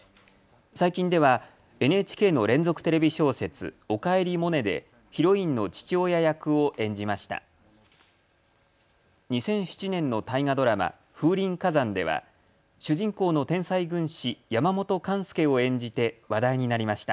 最近ではＮＨＫの連続テレビ小説、おかえりモネでヒロインの父親役を演じました。